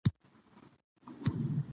لا د دام هنر یې نه وو أزمېیلی